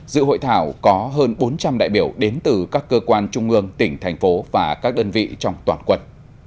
dự hội thảo có hơn bốn trăm linh đại biểu đến từ các cơ quan trung ương tỉnh thành phố và các đơn vị trong toàn quận